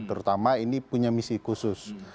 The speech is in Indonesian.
terutama ini punya misi khusus